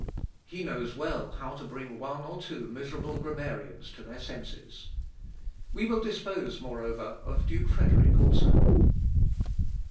He knows well how to bring one or two miserable grammarians to their senses. We will dispose, moreover, of Duke Frederick also."